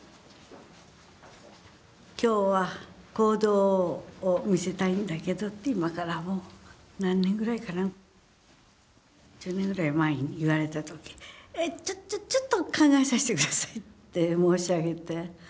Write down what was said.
「今日は講堂を見せたいんだけど」って今からもう何年ぐらいかな１０年ぐらい前に言われた時「えっちょっと考えさせて下さい」って申し上げて。